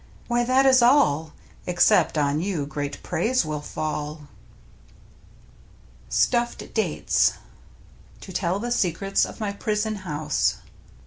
Why, that is all, Except on you great praise will fall. STUFFED DATES To tell the secrets of my prison house.